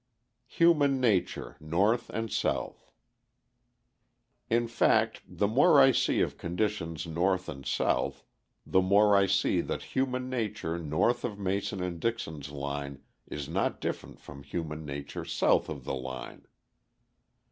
Human Nature North and South In fact, the more I see of conditions North and South, the more I see that human nature north of Mason and Dixon's line is not different from human nature south of the line.